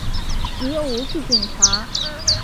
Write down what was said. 你又唔系警察！